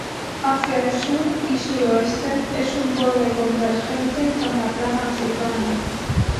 Hacia el sur y suroeste, es un borde convergente con la placa africana.